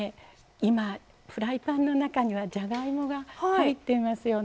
今フライパンの中にはじゃがいもが入っていますよね。